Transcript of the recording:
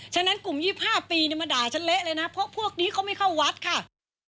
ฉะนั้นกลุ่ม๒๕ปีมาด่าฉันเละเลยนะเพราะพวกนี้เขาไม่เข้าวัดค่ะ